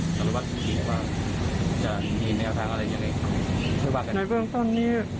นักรูปภาพที่หรือว่าจะมีแนวทางอะไรยังไงรู้จังนี้